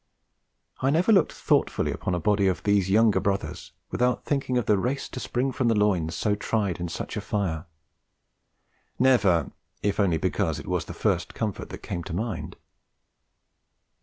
I never looked thoughtfully upon a body of these younger brothers without thinking of the race to spring from loins so tried in such a fire. Never if only because it was the first comfort that came to mind.